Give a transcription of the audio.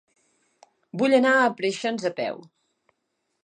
Vull anar a Preixens a peu.